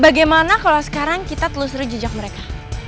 bagaimana kalau sekarang kita telusuri jejak mereka